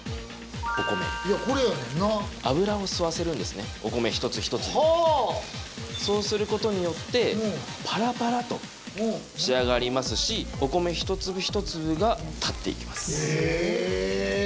お米油を吸わせるんですねお米１つ１つにそうすることによってパラパラと仕上がりますしお米１粒１粒が立っていきますへえへえ